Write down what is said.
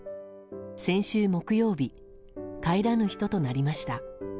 先週木曜日帰らぬ人となりました。